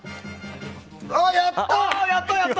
やったー！